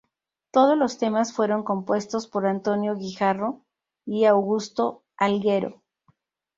Todos los temas fueron compuestos por Antonio Guijarro y Augusto Algueró.